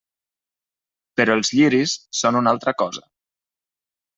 Però els lliris són una altra cosa.